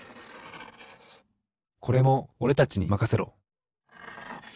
これもおれたちにまかせろ！